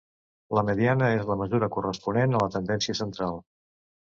La mediana és la mesura corresponent a la tendència central.